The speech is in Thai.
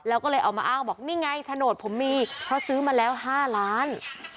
แล้วก็เลยเอามาอ้างบอกนี่ไงโฉนดผมมีเพราะซื้อมาแล้ว๕ล้าน